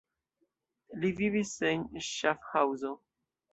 Li vivis en Ŝafhaŭzo.